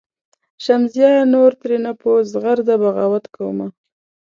"شمسزیه نور ترېنه په زغرده بغاوت کومه.